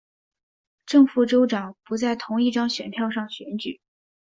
正副州长不在同一张选票上选举。